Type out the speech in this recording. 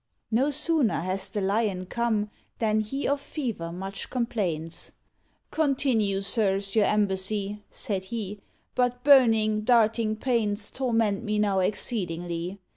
No sooner has the Lion come, Than he of fever much complains; "Continue, sirs, your embassy," Said he; "but burning, darting pains Torment me now exceedingly.